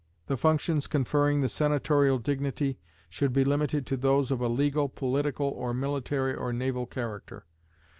The functions conferring the senatorial dignity should be limited to those of a legal, political, or military or naval character.